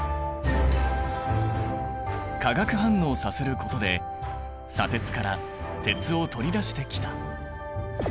化学反応させることで砂鉄から鉄を取り出してきた。